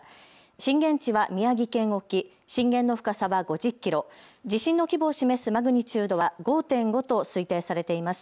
震源地は宮城県沖、震源の深さは５０キロ、地震の規模を示すマグニチュードは５．５と推定されています。